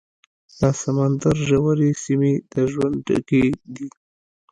د سمندر ژورې سیمې د ژوند ډکې دي.